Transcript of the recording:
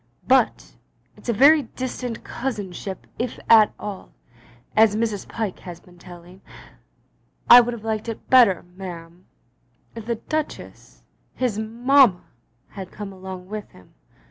But it's a very distant cousinship if at all, as Mrs. Pyke has been telling. I would have liked it better, ma'am, if the Duchess, his mamma, had come along with him.